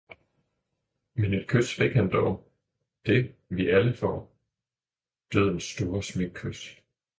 Men et kys fik han dog, det, vi alle får, Dødens store smækkys.